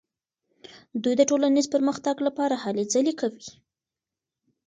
دوی د ټولنیز پرمختګ لپاره هلې ځلې کوي.